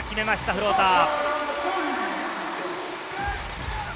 フローター。